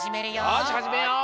よしはじめよう！